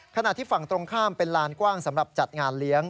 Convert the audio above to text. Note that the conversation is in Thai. ขณะที่ฝั่งตรงข้ามเป็นลานกว้างสำหรับจัดงานเลี้ยง